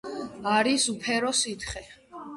არის უფერო სითხე.